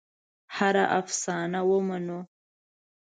هره افسانه ومنو.